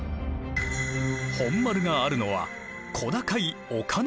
本丸があるのは小高い丘の上。